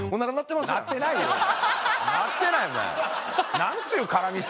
なってないお前！